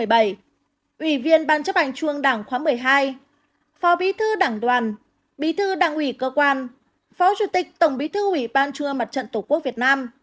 ủy viên ban chấp hành trung đảng khóa một mươi hai phó bí thư đảng đoàn bí thư đảng ủy cơ quan phó chủ tịch tổng bí thư ủy ban trung mặt trận tổ quốc việt nam